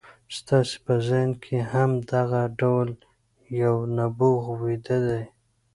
ستاسې په ذهن کې هم دغه ډول يو نبوغ ويده دی.